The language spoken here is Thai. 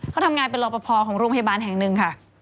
เขาทำงานเป็นรอปภของโรงพยาบาลแห่งหนึ่งค่ะ